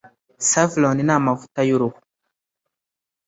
Savlon ni amavuta yuruhu.